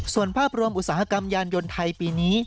ส่วนภาพรวมอุตสาหกรรมยานยนต์ไทยปีนี้